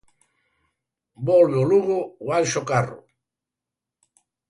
Volve o Lugo ao Anxo Carro.